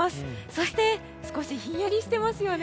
そして少しひんやりしていますよね。